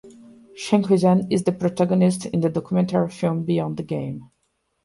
Schenkhuizen is the protagonist in the documentary film "Beyond the Game".